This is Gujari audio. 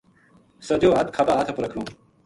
سجو ہتھ کھبا ہتھ اپر رکھنو۔